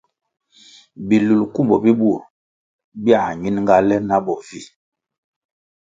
Bi lulkumbo bi bur biãh ñinga le na bo vi.